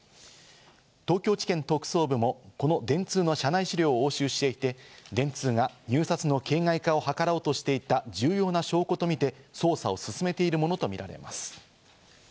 東京地検特捜部もこの電通の社内資料を押収していて、電通が入札の形骸化を図ろうとしていた重要な証拠とみて捜査を進めているものとみられます。